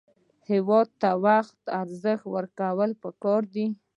هېواد ته وخت ته ارزښت ورکول پکار دي